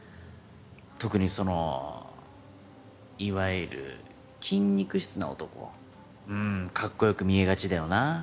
特にそのいわゆる筋肉質な男はうんかっこよく見えがちだよな。